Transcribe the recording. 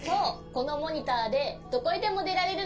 このモニターでどこへでもでられるの。